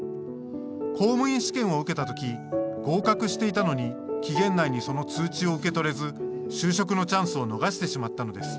公務員試験を受けた時合格していたのに期限内にその通知を受け取れず就職のチャンスを逃してしまったのです。